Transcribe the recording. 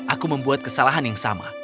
aku membuat kesalahan yang sama